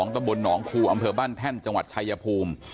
ตะบลหนองคูอำเภอบ้านแท่นจังหวัดชายภูมิ